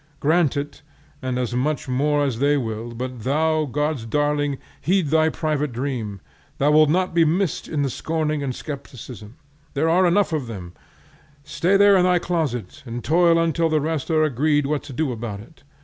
Grant it, and as much more as they will, but thou, God's darling! heed thy private dream; thou wilt not be missed in the scorning and skepticism; there are enough of them; stay there in thy closet and toil until the rest are agreed what to do about it.